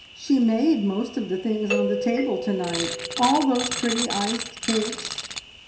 She made most of the things on the table to night, all those pretty iced cakes."